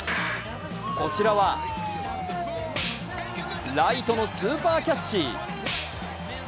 こちらはライトのスーパーキャッチ。